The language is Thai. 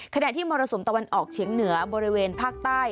ขณะที่มรสุมตะวันออกเฉียงเหนือบริเวณภาคใต้